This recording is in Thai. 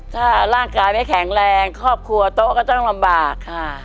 ถ้าร่างกายไม่แข็งแรงครอบครัวโต๊ะก็ต้องลำบากค่ะ